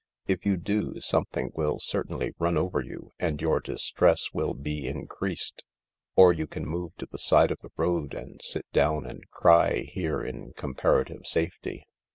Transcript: If you do, something will certainly run over you and your distress will be increased. Or you can move to the side of the road and sit down and cry here in comparative safety.